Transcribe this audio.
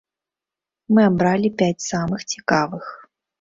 Мы абралі пяць самых цікавых.